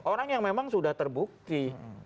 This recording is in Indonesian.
orang yang memang sudah terbukti